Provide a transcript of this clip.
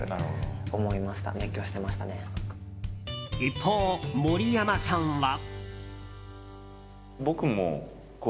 一方、森山さんは。